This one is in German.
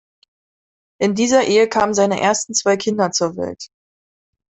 In dieser Ehe kamen seine ersten zwei Kinder zur Welt.